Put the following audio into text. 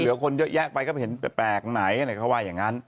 เหลือคนแยะไปก็จะเป็นแบบแปลกไหนอย่างนั้น